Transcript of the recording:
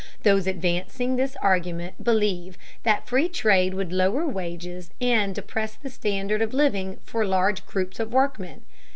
Those advancing this argument believe that free trade would lower wages and depress the standard of living for large groups of workmen.